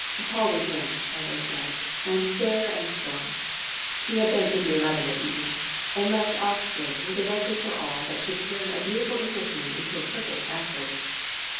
Paul was young, as I said, and fair and strong. He had been in the eleven at Eton and left Oxford with a record for all that should turn a beautiful Englishman into a perfect athlete.